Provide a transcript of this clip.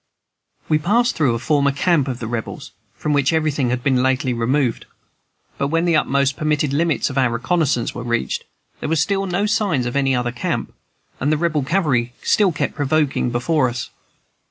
We passed through a former camp of the Rebels, from which everything had been lately removed; but when the utmost permitted limits of our reconnoissance were reached, there were still no signs of any other camp, and the Rebel cavalry still kept provokingly before us.